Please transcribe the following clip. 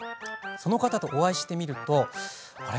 その方とお会いしてみるとあれ？